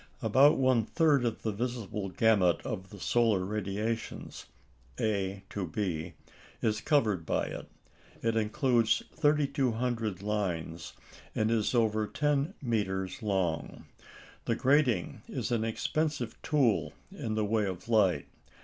About one third of the visible gamut of the solar radiations (A to b) is covered by it; it includes 3,200 lines, and is over ten metres long. The grating is an expensive tool in the way of light.